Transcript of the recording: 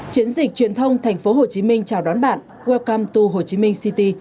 chuyển dịch truyền thông tp hcm chào đón bạn welcome to hồ chí minh city